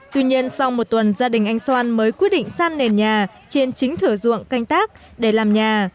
tuy nhiên sau một tuần gia đình anh xoan mới quyết định san nền nhà trên chính thửa ruộng canh tác để làm nhà